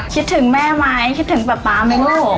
คิดถึงแม่ไหมคิดถึงป๊าป๊าไหมลูก